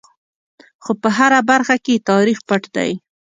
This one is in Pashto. خو په هره برخه کې یې تاریخ پټ دی.